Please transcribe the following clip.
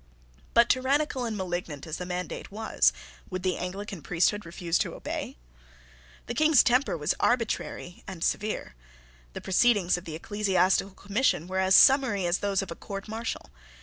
But, tyrannical and malignant as the mandate was, would the Anglican priesthood refuse to obey? The King's temper was arbitrary and severe. The proceedings of the Ecclesiastical Commission were as summary as those of a court martial.